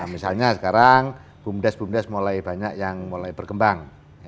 misalnya sekarang bumdes bumdes mulai banyak yang mulai berkembang